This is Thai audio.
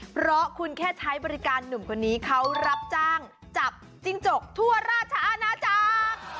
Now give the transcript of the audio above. เพราะคุณแค่ใช้บริการหนุ่มคนนี้เขารับจ้างจับจิ้งจกทั่วราชอาณาจักร